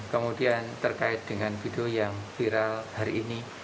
kemudian terkait dengan video yang viral hari ini